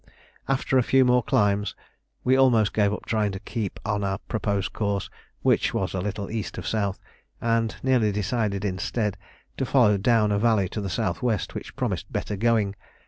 After a few more climbs, we almost gave up trying to keep on our proposed course, which was a little E. of S., and nearly decided instead to follow down a valley to the S.W., which promised better going.